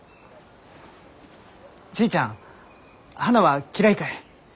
ちぃちゃん花は嫌いかえ？